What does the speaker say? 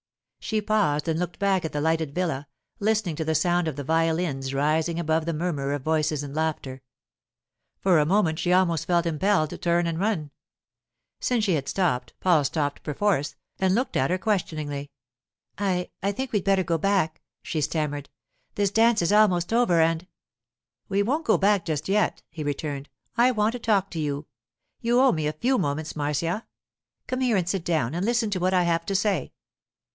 She paused and looked back at the lighted villa, listening to the sound of the violins rising above the murmur of voices and laughter. For a moment she almost felt impelled to turn and run. Since she had stopped, Paul stopped perforce, and looked at her questioningly. 'I—I think we'd better go back,' she stammered. 'This dance is almost over, and——' 'We won't go back just yet,' he returned. 'I want to talk to you. You owe me a few moments, Marcia. Come here and sit down and listen to what I have to say.